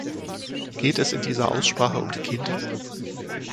Geht es in dieser Aussprache um die Kinder?